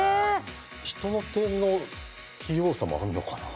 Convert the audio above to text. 人の手の器用さもあんのかな。